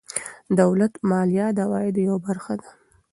دولت مالیه د عوایدو یوه برخه ده.